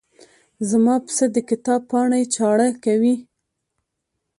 زما پسه د کتاب پاڼې چاړه کوي.